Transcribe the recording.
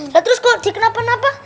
lalu terus kok dikenapa kenapa